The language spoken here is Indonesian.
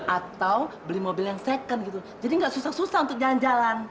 atau beli mobil yang second gitu jadi nggak susah susah untuk jalan jalan